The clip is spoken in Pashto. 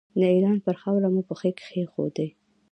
د ایران پر خاوره مو پښې کېښودې.